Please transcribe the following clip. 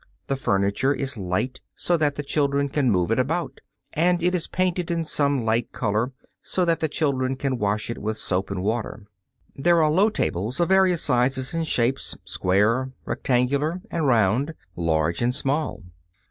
The furniture is light so that the children can move it about, and it is painted in some light color so that the children can wash it with soap and water. There are low tables of various sizes and shapes square, rectangular and round, large and small.